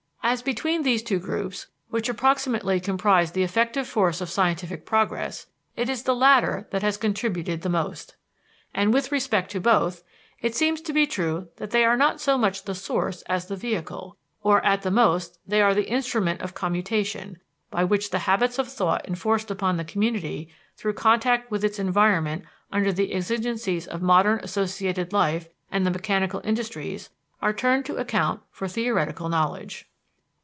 As between these two groups, which approximately comprise the effective force of scientific progress, it is the latter that has contributed the most. And with respect to both it seems to be true that they are not so much the source as the vehicle, or at the most they are the instrument of commutation, by which the habits of thought enforced upon the community, through contact with its environment under the exigencies of modern associated life and the mechanical industries, are turned to account for theoretical knowledge.